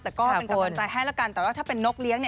แต่ก็เป็นกำลังใจให้แล้วกันแต่ว่าถ้าเป็นนกเลี้ยง